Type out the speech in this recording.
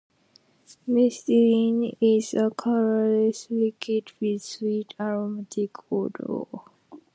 Mesitylene is a colourless liquid with sweet aromatic odor.